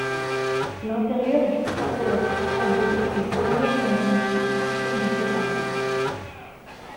L'intérieur du cratère Strabo est formé en une succession de terrasses.